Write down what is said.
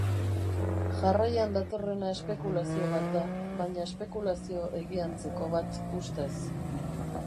Jarraian datorrena espekulazio bat da, baina espekulazio egiantzeko bat, ustez.